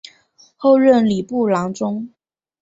后任礼部郎中。